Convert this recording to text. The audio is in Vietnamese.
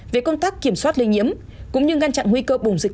về công tác kiểm soát lây nhiễm cũng như ngăn chặn nguy cơ bùng dịch